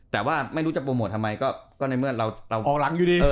แต่ว่าไม่รู้จะโปรโมททำไม